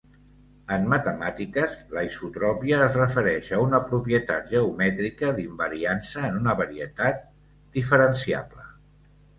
En matemàtiques, la isotropia es refereix a una propietat geomètrica d'invariància en una varietat diferenciable.